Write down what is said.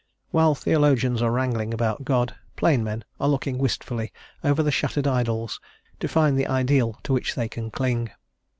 While theologians are wrangling about God, plain men are looking wistfully over the shattered idols to find the ideal to which they can cling.